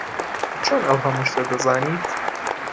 چۆن ئەو هەموو شتە دەزانیت؟